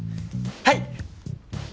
はい！